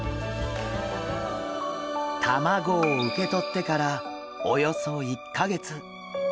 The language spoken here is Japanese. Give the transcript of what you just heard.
卵を受け取ってからおよそ１か月。